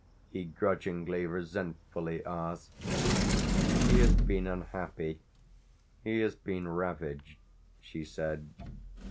he grudgingly, resentfully asked. "He has been unhappy, he has been ravaged," she said.